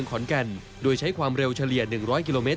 ก็เลยหักแล้วมันก็หมุนเลย